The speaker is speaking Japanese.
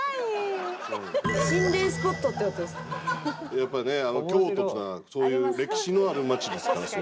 やっぱりね京都っていうのはそういう歴史のある街ですし。